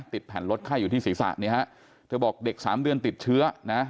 ติดแผ่นลดไข้อยู่ที่ศีรษะเนี่ยฮะเธอบอกเด็กสามเดือนติดเชื้อนะ